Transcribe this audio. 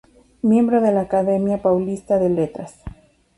Miembro de la Academia Paulista de Letras.